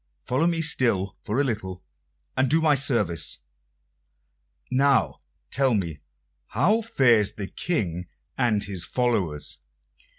Follow me still for a little, and do me service. Now, tell me, how fares the King and his followers?"